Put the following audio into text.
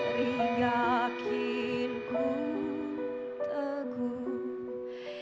dari yakin ku teguh